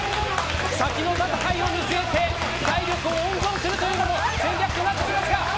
先の戦いを見据えて体力を温存することも戦略となってきますが。